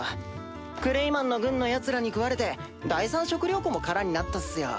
クレイマンの軍のヤツらに食われて第三食糧庫も空になったっすよ。